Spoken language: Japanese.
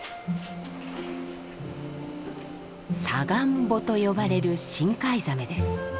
「サガンボ」と呼ばれる深海ザメです。